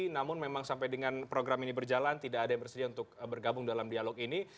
namun memang sampai dengan program ini berjalan tidak ada yang bersedia untuk bergabung dalam dialog ini